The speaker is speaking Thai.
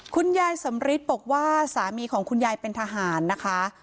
คุณยายสำริทบอกว่าสามีของคุณยายเป็นทหารนะคะ